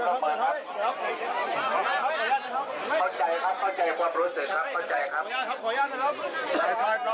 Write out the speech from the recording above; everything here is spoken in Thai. เข้าใจครับเข้าใจความรู้สึกครับ